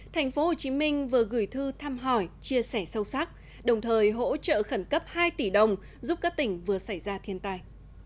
tp hcm vừa gửi thư thăm hỏi chia sẻ sâu sắc đồng thời hỗ trợ khẩn cấp hai tỷ đồng giúp các tỉnh vừa xảy ra thiên tai